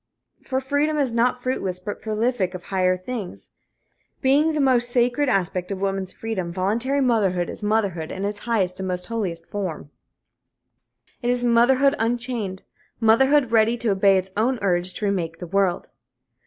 For freedom is not fruitless, but prolific of higher things. Being the most sacred aspect of woman's freedom, voluntary motherhood is motherhood in its highest and holiest form. It is motherhood unchained motherhood ready to obey its own urge to remake the world.